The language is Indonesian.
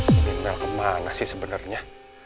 ini mel kemana sih sebenernya